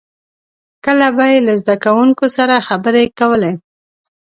• کله به یې له زدهکوونکو سره خبرې کولې.